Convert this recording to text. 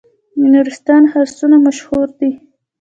د نورستان خرسونه مشهور دي